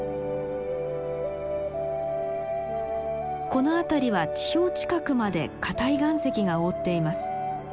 この辺りは地表近くまで硬い岩石が覆っています。